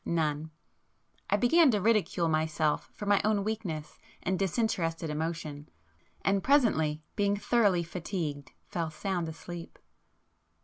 None. I began to ridicule myself for my own weakness and disinterested emotion,—and presently, being thoroughly fatigued, fell sound asleep.